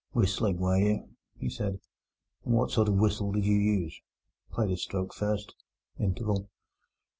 "Whistling, were you?" he said. "And what sort of whistle did you use? Play this stroke first." Interval.